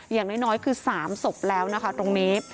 อย่างน้อยคือ๓ศพแล้วนะคะตรงนี้